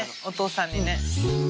お父さんにね。